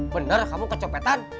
benar kamu kecopetan